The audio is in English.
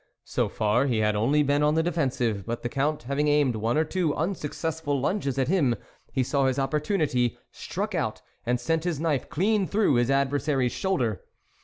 So far, he had only been on the defen sive ; but the Count having aimed one or two unsuccessful lunges at him, he saw his opportunity, struck out, and sent his knife clean through his adversary's shoulder.